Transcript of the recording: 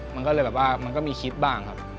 มันก็เลยแบบว่ามันก็มีคิดบ้างครับ